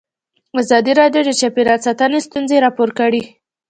ازادي راډیو د چاپیریال ساتنه ستونزې راپور کړي.